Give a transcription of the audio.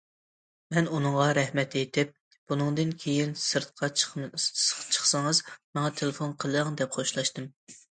مەن ئۇنىڭغا رەھمەت ئېيتىپ، بۇنىڭدىن كېيىن سىرتقا چىقسىڭىز ماڭا تېلېفون قىلىڭ، دەپ خوشلاشتىم.